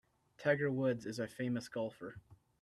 Tiger Woods is a famous golfer.